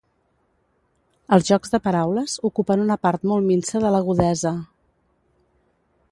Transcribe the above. Els jocs de paraules ocupen una part molt minsa de l'Agudeza.